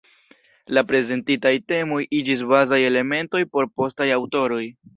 La prezentitaj temoj iĝis bazaj elementoj por postaj aŭtoroj.